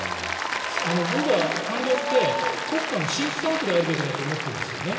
僕は官僚って国家のシンクタンクであるべきだと思っているんですね。